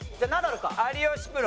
有吉プロ。